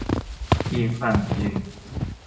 อีกฝั่งยืน